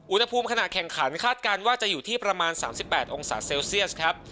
อุณหภูมิขณะแข่งขันคาดการณ์ว่าจะอยู่ที่ประมาณ๓๘องศาเซลเซียสครับ